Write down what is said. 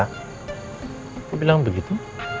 kamu bilang begitu